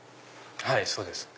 はいそうです。